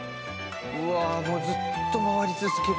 うわもうずっと回り続ける。